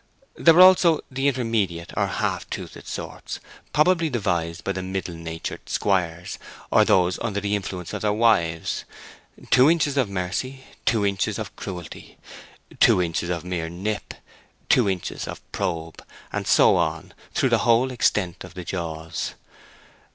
There were also the intermediate or half toothed sorts, probably devised by the middle natured squires, or those under the influence of their wives: two inches of mercy, two inches of cruelty, two inches of mere nip, two inches of probe, and so on, through the whole extent of the jaws.